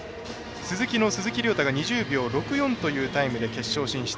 スズキの鈴木涼太が２０秒６４というタイムで決勝進出。